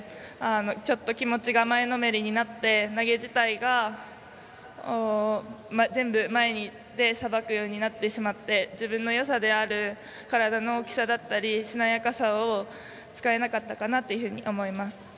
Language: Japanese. ちょっと気持ちが前のめりになって投げ自体が全部、前でさばくようになってしまって自分のよさである体の大きさだったりしなやかさを使えなかったのかなと思います。